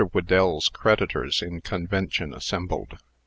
WHEDEEL'S CREDITORS IN CONVENTION ASSEMBLED.